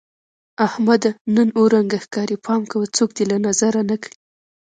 احمده! نن اووه رنگه ښکارې. پام کوه څوک دې له نظره نه کړي.